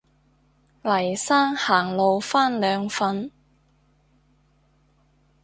黎生行路返兩份